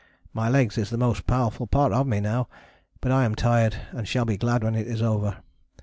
My legs is the most powerful part of me now, but I am tired and shall be glad when it is over.